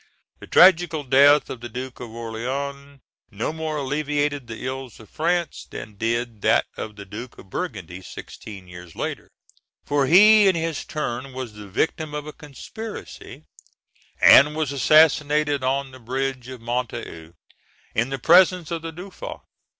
The tragical death of the Duke of Orleans no more alleviated the ills of France than did that of the Duke of Burgundy sixteen years later for he in his turn was the victim of a conspiracy, and was assassinated on the bridge of Montereau in the presence of the Dauphin (Fig.